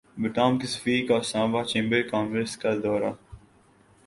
Vietnam کے سفیر کا اسلام باد چیمبر کامرس کا دورہ